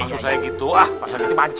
ini siapa yang ditutupin pake sprek